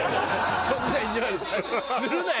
そんな意地悪するなよ